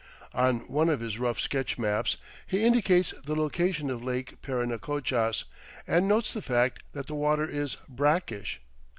On one of his rough sketch maps he indicates the location of Lake Parinacochas and notes the fact that the water is "brackish."